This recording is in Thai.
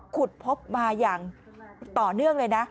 ขุดพบมาอย่างต่อเนื่องเลยนะ